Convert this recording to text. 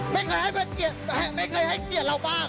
ไม่เคยให้เกียรติเราบ้าง